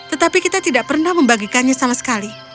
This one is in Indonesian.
tetapi kita tidak pernah membagikannya sama sekali